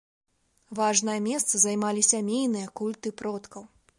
Важнае месца займалі сямейныя культы продкаў.